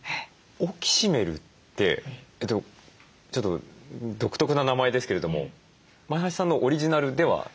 オキシメルってちょっと独特な名前ですけれども前橋さんのオリジナルでは？